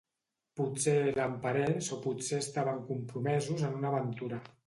Potser eren parents o potser estaven compromesos en una aventura.